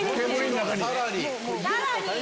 さらに！